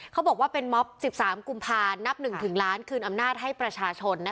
เขาบอกว่าเป็นม็อบ๑๓กุมภานับ๑ถึงล้านคืนอำนาจให้ประชาชน